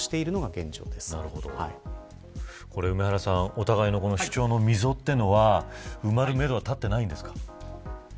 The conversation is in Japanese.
お互いの主張の溝というのは埋まるめどは立っていないのですか。